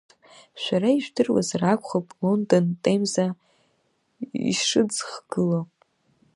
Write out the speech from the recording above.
Шәара ижәдыруазар акәхап, Лондон Темза ишыӡхгылоу.